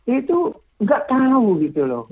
itu nggak tahu gitu loh